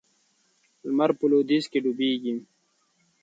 لمر په لویدیځ کې ډوبیږي.